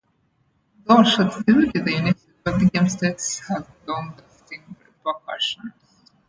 Though short-lived, the United Belgian States had long-lasting repercussions.